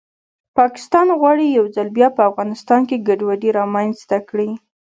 پاکستان غواړي یو ځل بیا په افغانستان کې ګډوډي رامنځته کړي